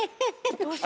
どうした？